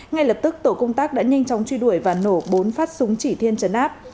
ngay lập tức tổ công tác đã nhanh chóng truy đuổi và nổ bốn phát súng chỉ thiên chấn áp